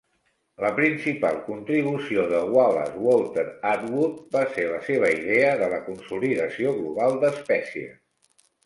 La principal contribució de Wallace Walter Atwood va ser la seva idea de la consolidació global d'espècies.